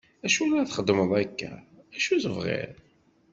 Acu la txeddmeḍ akka? acu tebɣiḍ?